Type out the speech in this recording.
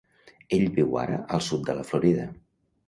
Ell viu ara al Sud de la Florida.